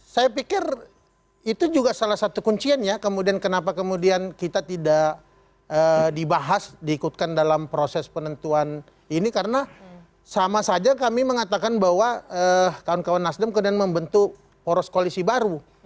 saya pikir itu juga salah satu kunciannya kemudian kenapa kemudian kita tidak dibahas diikutkan dalam proses penentuan ini karena sama saja kami mengatakan bahwa kawan kawan nasdem kemudian membentuk poros koalisi baru